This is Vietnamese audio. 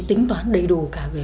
tính toán đầy đủ cả về